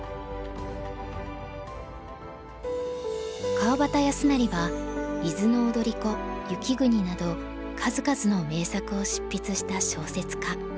川端康成は「伊豆の踊子」「雪国」など数々の名作を執筆した小説家。